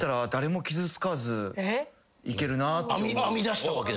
編み出したわけだ。